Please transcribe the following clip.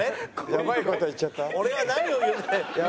やばい事言っちゃった？